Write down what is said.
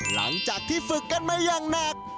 หลังจากที่ฝึกกันมาอย่างหนัก